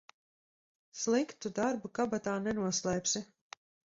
Sliktu darbu kabatā nenoslēpsi.